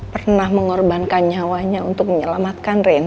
pernah mengorbankan nyawanya untuk menyelamatkan rein